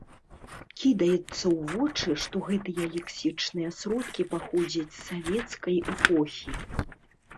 Кідаецца ў вочы, што гэтыя лексічныя сродкі паходзяць з савецкай эпохі.